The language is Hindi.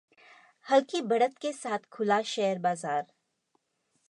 हल्की बढ़त के साथ खुला शेयर बाजार